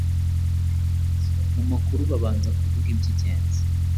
Mu makuru babanza kuvuga iby’ingenzi.